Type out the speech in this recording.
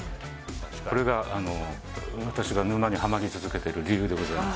これが私が沼にハマり続けている理由でございます。